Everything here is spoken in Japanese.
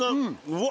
うわ